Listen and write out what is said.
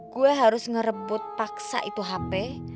gue harus ngerebut paksa itu hp